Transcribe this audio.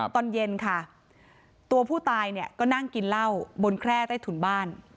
ตอนเย็นค่ะตัวผู้ตายเนี่ยก็นั่งกินเหล้าบนแคร่ใต้ถุนบ้าน